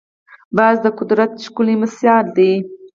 باز د قدرت ښکلی مثال دی